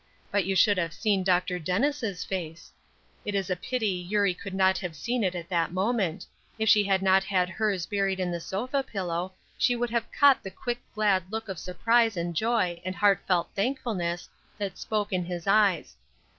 But you should have seen Dr. Dennis' face. It is a pity Eurie could not have seen it at that moment; if she had not had hers buried in the sofa pillow she would have caught the quick glad look of surprise and joy and heartfelt thankfulness that spoke in his eyes.